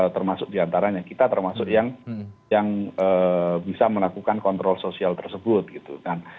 termasuk diantaranya kita termasuk yang bisa melakukan kontrol sosial tersebut gitu kan